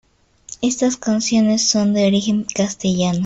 Estas canciones son de origen castellano.